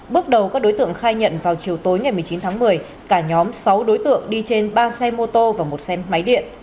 bước đầu các đối tượng khai nhận vào chiều tối ngày một mươi chín tháng một mươi cả nhóm sáu đối tượng đi trên ba xe mô tô và một xe máy điện